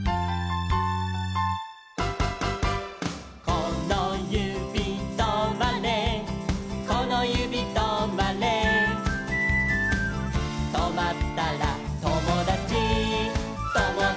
「このゆびとまれこのゆびとまれ」「とまったらともだちともだちとまれ」